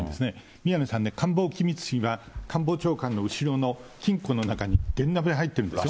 宮根さんね、官房機密費は官房長官の後ろの金庫の中にで入っているんですよ。